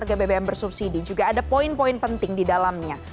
harga bbm bersubsidi juga ada poin poin penting di dalamnya